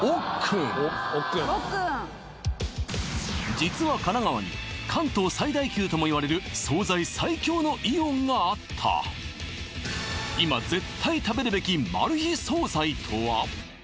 実は神奈川に関東最大級ともいわれる惣菜最強のイオンがあった今絶対食べるべきマル秘惣菜とは？